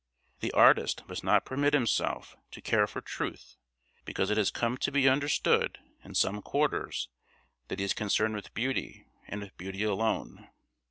The artist must not permit himself to care for truth, because it has come to be understood in some quarters that he is concerned with beauty, and with beauty alone.